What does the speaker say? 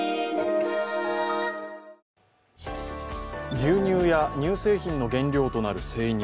牛乳や乳製品の原料となる生乳。